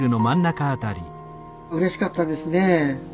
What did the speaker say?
うれしかったですね。